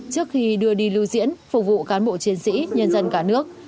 trước khi đưa đi lưu diễn phục vụ cán bộ chiến sĩ nhân dân cả nước